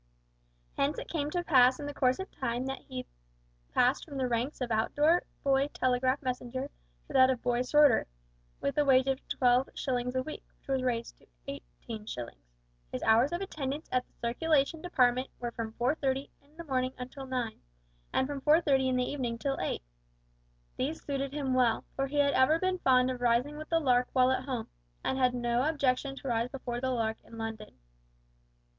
Hence it came to pass in the course of time that he passed from the ranks of Out door Boy Telegraph Messenger to that of Boy Sorter, with a wage of twelve shillings a week, which was raised to eighteen shillings. His hours of attendance at the Circulation Department were from 4:30 in the morning till 9; and from 4:30 in the evening till 8. These suited him well, for he had ever been fond of rising with the lark while at home, and had no objection to rise before the lark in London.